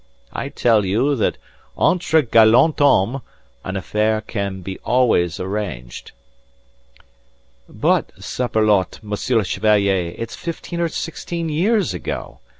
I tell you that entre gallants hommes an affair can be always arranged." "But, saperlotte, Monsieur le Chevalier, it's fifteen or sixteen years ago.